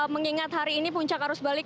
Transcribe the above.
mengingat hari ini puncak arus balik